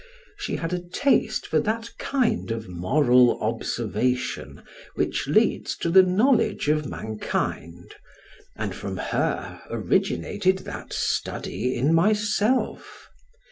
She had a taste for that kind of moral observation which leads to the knowledge of mankind, and from her originated that study in myself.